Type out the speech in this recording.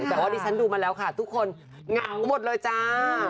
แต่ว่าดิฉันดูมาแล้วค่ะทุกคนเหงาหมดเลยจ้า